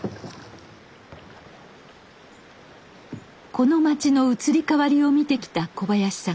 この町の移り変わりを見てきた小林さん。